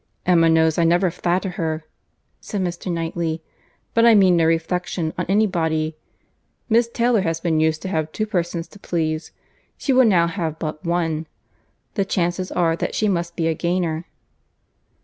"Emma knows I never flatter her," said Mr. Knightley, "but I meant no reflection on any body. Miss Taylor has been used to have two persons to please; she will now have but one. The chances are that she must be a gainer."